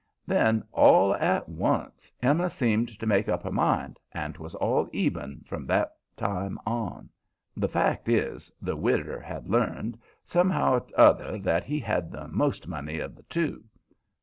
And then, all at once, Emma seemed to make up her mind, and 'twas all Eben from that time on. The fact is, the widder had learned, somehow or 'nother, that he had the most money of the two.